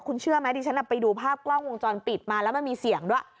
คุณเชื่อไหมดิฉันไปดูภาพกล้องวงจรปิดมาแล้วมันมีเสียงด้วย